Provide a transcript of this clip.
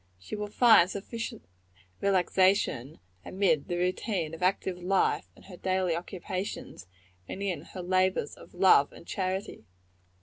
She will find sufficient relaxation amid the routine of active life and her daily occupations, and in her labors of love and charity.